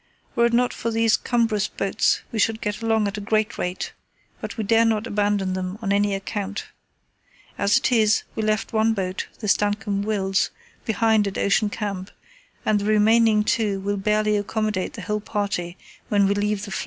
Were it not for these cumbrous boats we should get along at a great rate, but we dare not abandon them on any account. As it is we left one boat, the Stancomb Wills, behind at Ocean Camp, and the remaining two will barely accommodate the whole party when we leave the floe.